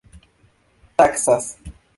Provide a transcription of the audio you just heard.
taksas